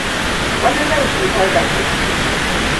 Wani zai cutar da kai.